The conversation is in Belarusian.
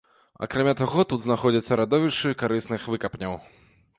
Акрамя таго, тут знаходзяцца радовішчы карысных выкапняў.